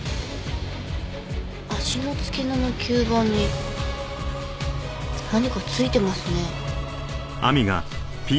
足の付け根の吸盤に何かついてますね。